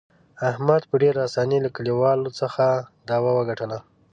احمد په ډېر اسانۍ له کلیوالو څخه دعوه وګټله.